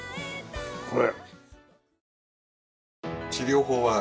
これ。